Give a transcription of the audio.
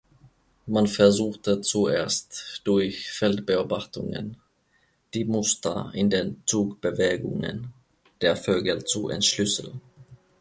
Man versuchte zuerst durch Feldbeobachtungen die Muster in den Zugbewegungen der Vögel zu entschlüsseln.